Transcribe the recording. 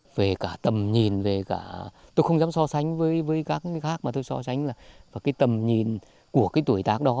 về cả tầm nhìn tôi không dám so sánh với các người khác mà tôi so sánh là tầm nhìn của tuổi tác đó